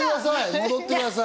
戻ってください！